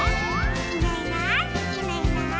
「いないいないいないいない」